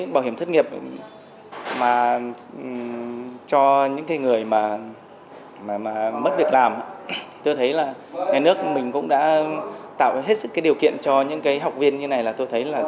bảo hiểm thất nghiệp cho những người mất việc làm tôi thấy là nhà nước mình cũng đã tạo hết sự điều kiện cho những học viên như này là tôi thấy rất là hài lòng